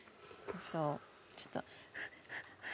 そうちょっと。